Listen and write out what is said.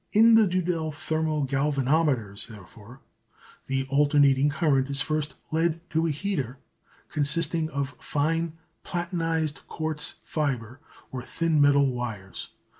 In the Duddell Thermo galvanometers, therefore, the alternating current is first led to a "heater" consisting of fine platinised quartz fibre or thin metal wires.